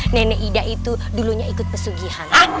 nenek ida itu dulunya ikut pesugihan